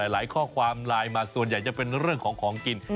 หลายข้อความไลน์มาส่วนใหญ่จะเป็นเรื่องของของกิน